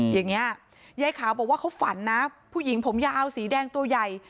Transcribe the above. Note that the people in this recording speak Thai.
อย่างนี้ยายขาวบอกว่าเขาฝันนะผู้หญิงผมยาวสีแดงตัวใหญ่